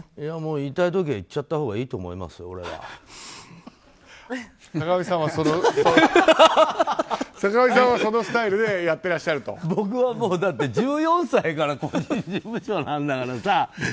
言いたい時は言っちゃったほうが坂上さんはそのスタイルで僕はだって１４歳から個人事務所だからさ。